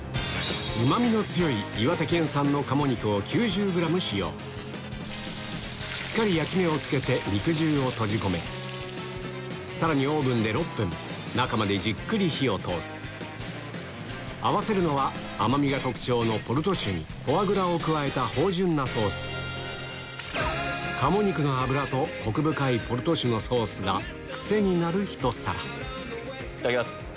うまみの強い岩手県産の鴨肉を９０ｇ使用しっかり焼き目をつけて肉汁を閉じ込めるさらにオーブンで６分中までじっくり火を通す合わせるのは甘みが特徴のポルト酒にフォアグラを加えた芳醇なソース鴨肉の脂とコク深いポルト酒のソースが癖になるひと皿いただきます。